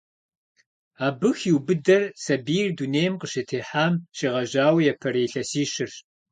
Абы хиубыдэр сабийр дунейм къыщытехьам щегъэжьауэ япэрей илъэсищырщ.